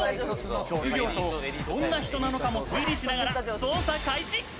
職業と、どんな人なのかも推理しながら捜査開始。